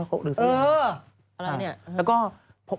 เอิสอลัลน่ะ